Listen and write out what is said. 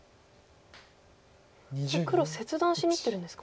黒切断しにいってるんですか？